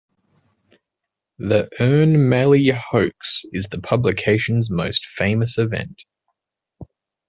The Ern Malley hoax is the publication's most famous event.